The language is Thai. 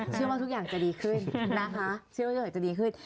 เชื่อว่าทุกอย่างจะดีขึ้น